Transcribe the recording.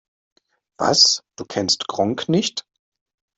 Was, du kennst Gronkh nicht?